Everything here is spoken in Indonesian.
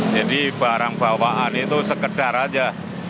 jadi barang bawaan itu sekedar aja